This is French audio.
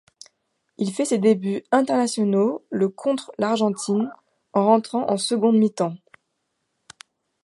Il fait ses débuts internationaux le contre l'Argentine en rentrant en seconde mi-temps.